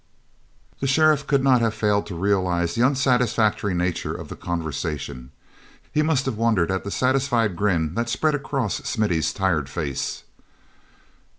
The sheriff could not have failed to realize the unsatisfactory nature of the conversation; he must have wondered at the satisfied grin that spread across Smithy's tired face.